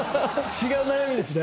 違う悩みですね。